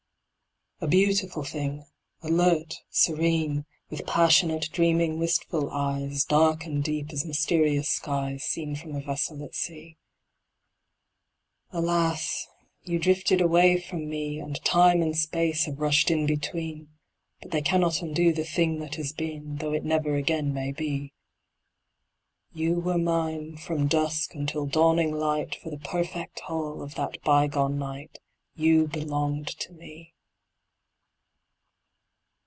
A beautiful thing, alert, serene, With passionate, dreaming, wistful eyes, Dark and deep as mysterious skies, Seen from a vessel at sea. Alas, you drifted away from me, And Time and Space have rushed in between, But they cannot undo the Thing that has been, Though it never again may be. You were mine, from dusk until dawning light, For the perfect whole of that bygone night You belonged to me!